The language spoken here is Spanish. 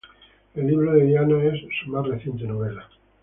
El libro de Diana" es su más reciente novela.